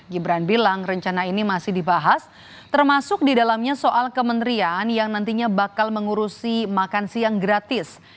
gibran bilang rencana ini masih dibahas termasuk di dalamnya soal kementerian yang nantinya bakal mengurusi makan siang gratis